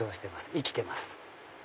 生きてます。